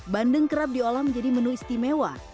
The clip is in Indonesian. bandeng kerap diolam jadi menu istimewa